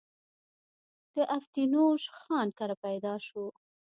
د افتينوش خان کره پيدا شو